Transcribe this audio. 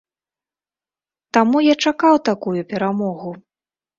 Таму я чакаў такую перамогу.